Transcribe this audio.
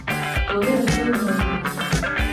Plody rostou v hroznech.